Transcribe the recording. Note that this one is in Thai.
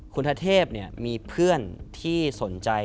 คุณทะเทพเนี่ยมีเพื่อนที่สนใจ